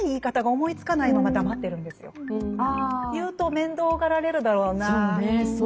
言うと面倒がられるだろうなっていう。